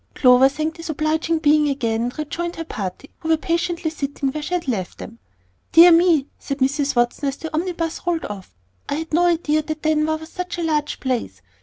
Clover thanked this obliging being again, and rejoined her party, who were patiently sitting where she had left them. "Dear me!" said Mrs. Watson as the omnibus rolled off, "I had no idea that Denver was such a large place.